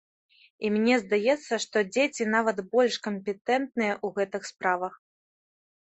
І мне здаецца, што дзеці нават больш кампетэнтныя ў гэтых справах.